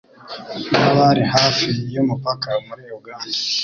n'abari hafi y'umupaka muri Uganda